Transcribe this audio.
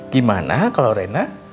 gimana kalau rena